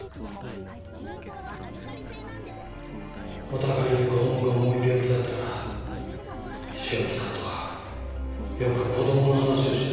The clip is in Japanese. お互いに子供が重い病気だったから塩見さんとはよく子供の話をしてました。